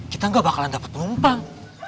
kita gak bakalan dapat penumpang